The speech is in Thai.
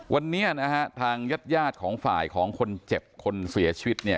วันนี้นะฮะทางญาติยาดของฝ่ายของคนเจ็บคนเสียชีวิตเนี่ย